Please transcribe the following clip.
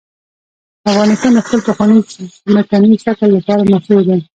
افغانستان د خپل پخواني ځمکني شکل لپاره مشهور دی.